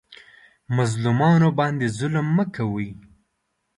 مظلومانو باندې ظلم مه کوئ